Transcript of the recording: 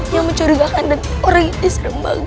yang mencurigakan dan orang ini serem banget